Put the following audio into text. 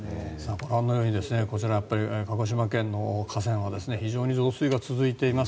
ご覧のようにこちら鹿児島県の河川は非常に増水が続いています。